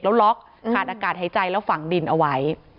แล้วล็อกขาดอากาศหายใจแล้วฝังดินเอาไว้